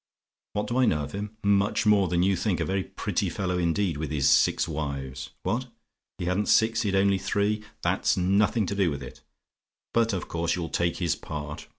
"WHAT DO I KNOW OF HIM? "Much more than you think. A very pretty fellow, indeed, with his six wives. What? "HE HADN'T SIX HE'D ONLY THREE? "That's nothing to do with it; but of course you'll take his part.